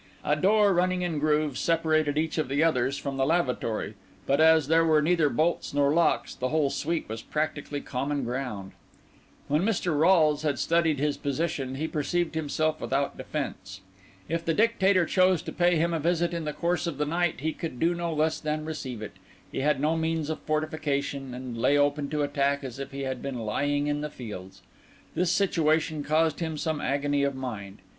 A door running in grooves separated each of the others from the lavatory; but as there were neither bolts nor locks, the whole suite was practically common ground. When Mr. Rolles had studied his position, he perceived himself without defence. If the Dictator chose to pay him a visit in the course of the night, he could do no less than receive it; he had no means of fortification, and lay open to attack as if he had been lying in the fields. This situation caused him some agony of mind.